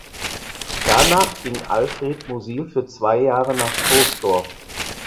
Danach ging Alfred Musil für zwei Jahre nach Troisdorf.